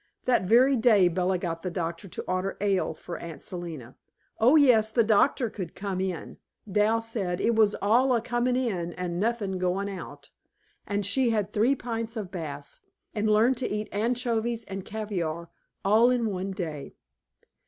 That very day Bella got the doctor to order ale for Aunt Selina (oh, yes; the doctor could come in; Dal said "it was all a coming in, and nothing going out") and she had three pints of Bass, and learned to eat anchovies and caviare all in one day.